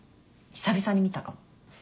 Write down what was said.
久々に見たかも。